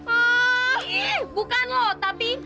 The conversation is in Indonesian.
eeeeh bukan lo tapi